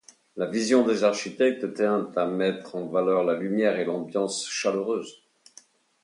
La vision des architectes tient à mettre en valeur la lumière et l’ambiance chaleureuse.